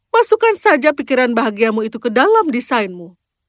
masukkan saja pikiran bahagiamu itu ke dalam desainmu